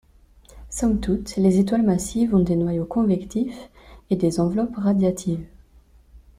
Somme toute, les étoiles massives ont des noyaux convectif et des enveloppes radiatives.